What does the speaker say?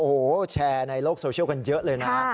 โอ้โหแชร์ในโลกโซเชียลกันเยอะเลยนะ